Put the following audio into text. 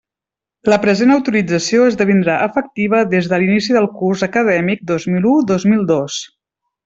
La present autorització esdevindrà efectiva des de l'inici del curs acadèmic dos mil u dos mil dos.